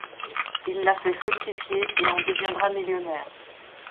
Il la fait fructifier et en deviendra millionnaire.